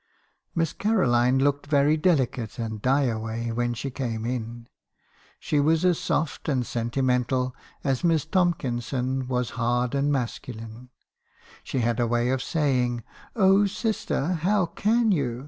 Miss Caroline looked me. haekison's confessions. 247 very delicate and die away when she came in ; she was as soft and sentimental as Miss Tomkinson was hard and masculine; and had a way of saying, 'Oh, sister, how can you?'